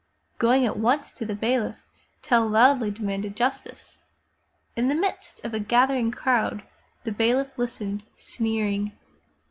Going at once to the bailiff. Tell loudly demanded justice. In the midst of a gathering crowd, the bailiff listened, sneering.